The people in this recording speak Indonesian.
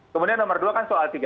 kemudian nomor dua kan soal tiga